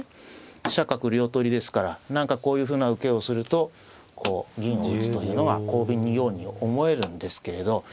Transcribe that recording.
飛車角両取りですから何かこういうふうな受けをするとこう銀を打つというのが幸便のように思えるんですけれど実はこれね